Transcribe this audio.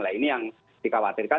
nah ini yang dikhawatirkan